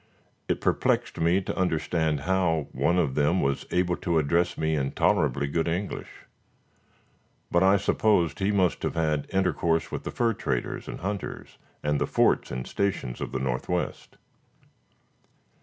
It perplexed me to understand how one of them was able to address me in tolerably good English; but I supposed he must have had intercourse with the fur traders and hunters and the forts and stations of the northwest.